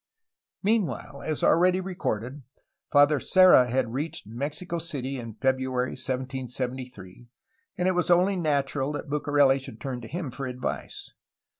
Meanwhile, as already recorded. Father Serra had reached Mexico City in February 1773, and it was only natural that Bucareli should turn to him for advice.